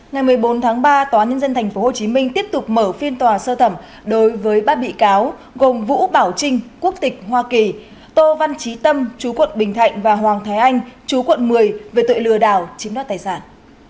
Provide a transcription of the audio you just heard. ngày một mươi bốn tháng ba tòa nhân dân tp hcm tiếp tục mở phiên tòa sơ thẩm đối với ba bị cáo gồm vũ bảo trinh quốc tịch hoa kỳ tô văn trí tâm chú quận bình thạnh và hoàng thái anh chú quận một mươi về tội lừa đảo chiếm đoạt tài sản